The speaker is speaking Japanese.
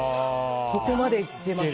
そこまでいってます、